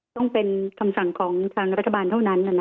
ต้องเป็นคำสั่งของทางรัฐบาลเท่านั้น